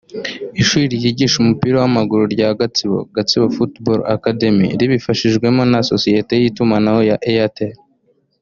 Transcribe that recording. Ishuri ryigisha umupira w’amaguru rya Gatsibo (Gatsibo Football Academy) ribifashijwemo na sosiyete y’itumanaho ya Airtel